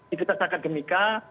inti tentang ketamika